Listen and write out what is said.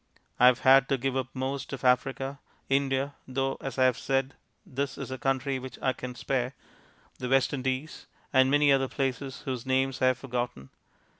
I have had to give up most of Africa, India (though, as I have said, this is a country which I can spare), the West Indies, and many other places whose names I have forgotten.